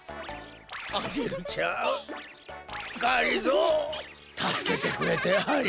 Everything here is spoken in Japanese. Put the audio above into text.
アゲルちゃんがりぞーたすけてくれてありがとう！